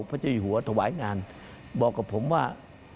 พระเจ้าอยู่หัวถวายงานบอกกับผมว่า